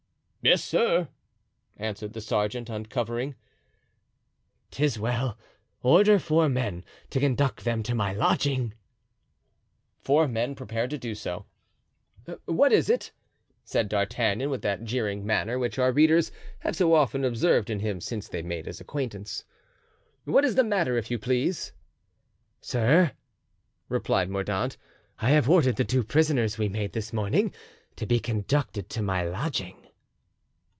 "Yes, sir," answered the sergeant, uncovering. "'Tis well; order four men to conduct them to my lodging." Four men prepared to do so. "What is it?" said D'Artagnan, with that jeering manner which our readers have so often observed in him since they made his acquaintance. "What is the matter, if you please?" "Sir," replied Mordaunt, "I have ordered the two prisoners we made this morning to be conducted to my lodging."